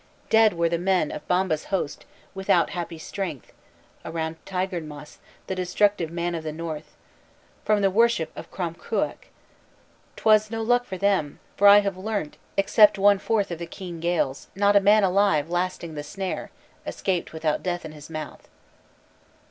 Dead were the men Of Bamba's host, without happy strength Around Tigernmas, the destructive man of the north, From the worship of Crom Cruaich. 'T was no luck for them. For I have learnt, Except one fourth of the keen Gaels, Not a man alive lasting the snare! Escaped without death in his mouth."